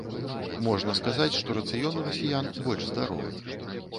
Можна сказаць, што рацыён у расіян больш здаровы.